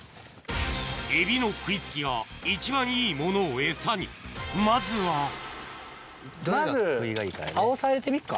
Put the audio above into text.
エビの食い付きが一番いいものをエサにまずはまずアオサ入れてみっか。